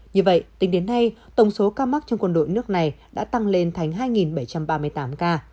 như vậy tính đến nay tổng số ca mắc trong quân đội nước này đã tăng lên thành hai bảy trăm ba mươi tám ca